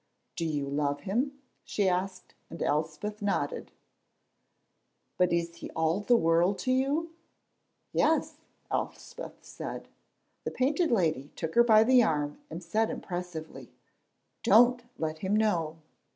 "Do you love him?" she asked, and Elspeth nodded. "But is he all the world to you?" "Yes," Elspeth said. The Painted Lady took her by the arm and said impressively, "Don't let him know."